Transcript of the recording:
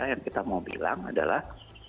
yang kita mau bilang adalah